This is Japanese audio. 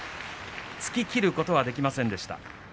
突ききることはできませんでした。